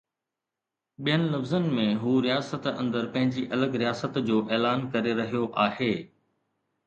ٻين لفظن ۾ هو رياست اندر پنهنجي الڳ رياست جو اعلان ڪري رهيو آهي